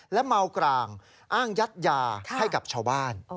และเมากรางอ้างยัดยาให้กับชาวบ้าน